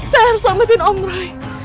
saya harus selamatin om roy